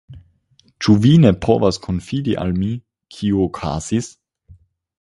Ĉu vi ne povas konfidi al mi, kio okazis?